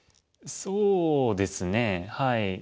そうですねはい。